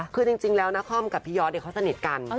คือจริงแล้วนาคอมกับพี่ยอดเขาสนิทกัน